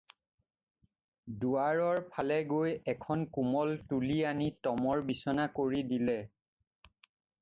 দুৱাৰৰ ফালে গৈ এখন কোমল তুলি আনি টমৰ বিছনা কৰি দিলে।